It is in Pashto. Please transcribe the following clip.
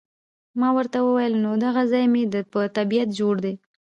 ما ورته وویل، نه، دغه ځای مې په طبیعت جوړ دی.